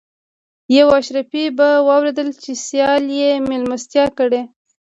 یو اشرافي به واورېدل چې سیال یې مېلمستیا کړې.